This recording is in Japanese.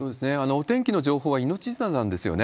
お天気の情報は命綱なんですよね。